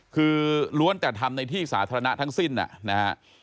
คือล้วนแต่ทำในที่สาธารณะทั้งสิ้นนะฮะ